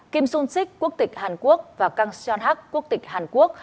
kim sung sik quốc tịch hàn quốc và kang seon hak quốc tịch hàn quốc